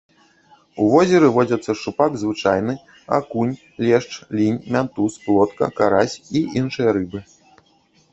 У возеры водзяцца шчупак звычайны, акунь, лешч, лінь, мянтуз, плотка, карась і іншыя рыбы.